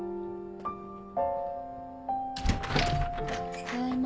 ただいま。